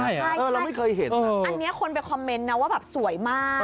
ใช่เราไม่เคยเห็นอันนี้คนไปคอมเมนต์นะว่าแบบสวยมาก